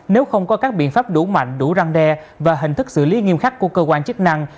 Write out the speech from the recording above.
nếu không có các biện pháp đủ mạnh đủ răng đe và hình thức xử lý nghiêm khắc của cơ quan chức năng